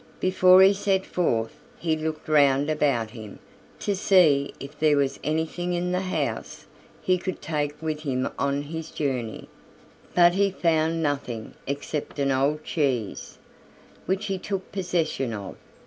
Before he set forth he looked round about him, to see if there was anything in the house he could take with him on his journey; but he found nothing except an old cheese, which he took possession of.